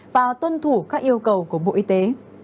và tuân thủ các yêu cầu của bộ y tế